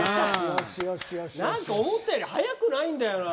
何か思ったより速くないんだよな。